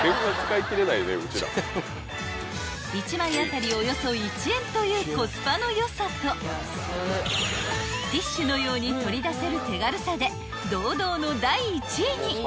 ［１枚当たりおよそ１円というコスパの良さとティッシュのように取り出せる手軽さで堂々の第１位に］